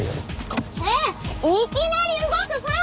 えっいきなり動くファン！